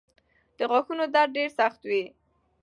د غاښونو درد ډېر سخت وي.